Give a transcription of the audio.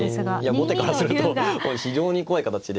後手からすると非常に怖い形で。